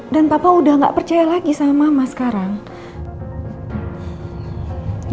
dan papa udah gak percaya lagi sama mama sekarang